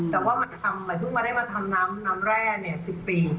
แต่ว่าเพิ่งมาได้มาทำน้ำแร่๑๐ปี